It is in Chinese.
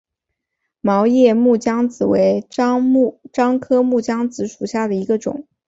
毛叶木姜子为樟科木姜子属下的一个种。